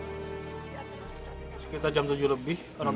sekitar jam tujuh lebih